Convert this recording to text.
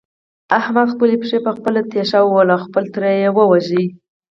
احمد خپلې پښې په خپله په تېشه ووهلې او خپل تره يې وواژه.